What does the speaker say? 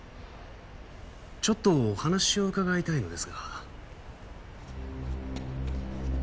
ちょっとお話を伺いたいのですが。